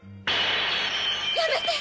やめて！